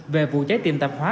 về vụ cháy tiệm tạp hóa